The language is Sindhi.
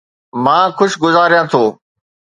مان خوش گذاريان ٿو